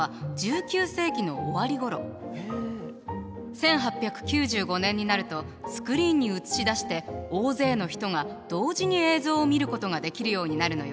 １８９５年になるとスクリーンに映し出して大勢の人が同時に映像を見ることができるようになるのよ。